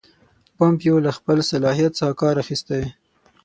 پومپیو له خپل صلاحیت څخه کار اخیستی.